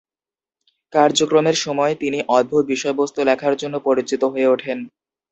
কার্যক্রমের সময় তিনি অদ্ভুত বিষয়বস্তু লেখার জন্য পরিচিত হয়ে ওঠেন।